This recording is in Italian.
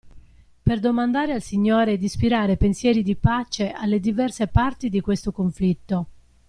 Per domandare al Signore di ispirare pensieri di pace alle diverse parti di questo conflitto!